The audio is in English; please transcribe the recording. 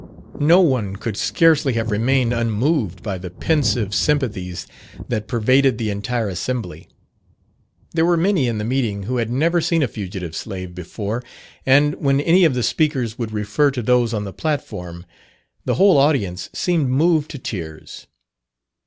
No one could scarcely have remained unmoved by the pensive sympathies that pervaded the entire assembly. There were many in the meeting who had never seen a fugitive slave before, and when any of the speakers would refer to those on the platform, the whole audience seemed moved to tears.